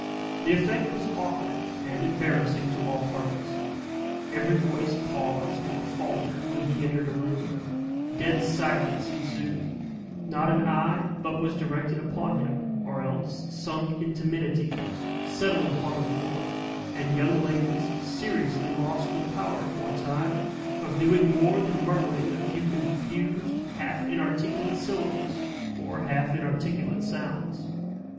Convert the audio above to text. The effect was awkward and embarrassing to all parties. Every voice paused or faltered when he entered a room dead silence ensued not an eye but was directed upon him, or else, sunk in timidity, settled upon the floor; and young ladies seriously lost the power, for a time, of doing more than murmuring a few confused, half inarticulate syllables, or half inarticulate sounds.